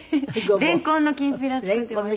レンコンのきんぴら作ってました。